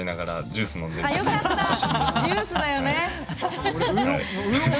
ジュースだよね！